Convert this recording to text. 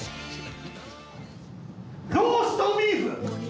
ローストビーフ！